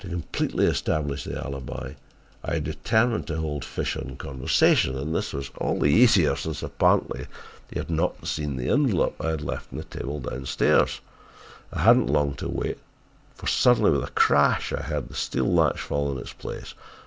"To completely establish the alibi I determined to hold Fisher in conversation and this was all the easier since apparently he had not seen the envelope I had left on the table downstairs. I had not long to wait for suddenly with a crash I heard the steel latch fall in its place.